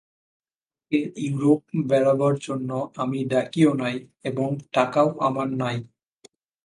তাকে ইউরোপ বেড়াবার জন্য আমি ডাকিও নাই এবং টাকাও আমার নাই।